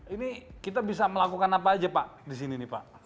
ini kita bisa melakukan apa aja pak di sini nih pak